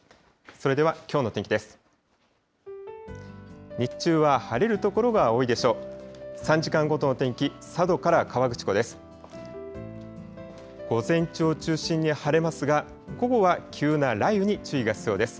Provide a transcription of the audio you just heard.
それではきょうの天気です。